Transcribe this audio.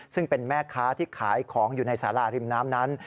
ซึ่งเป็นแม่ค้าที่ขายของอยู่ในสาราริมน้ำนั้น